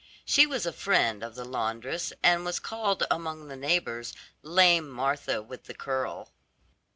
She was a friend of the laundress, and was called, among the neighbors, "Lame Martha, with the curl."